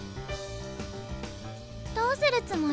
「どうするつもり？」。